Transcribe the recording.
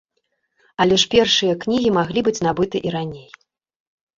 Але ж першыя кнігі маглі быць набыты і раней.